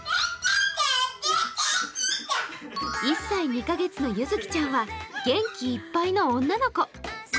１歳２カ月のゆづきちゃんは元気いっぱいの女の子。